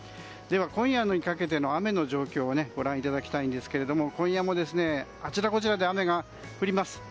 今夜にかけての雨の状況をご覧いただきたいんですけれども今夜もあちらこちらで雨が降ります。